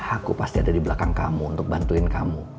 aku pasti ada di belakang kamu untuk bantuin kamu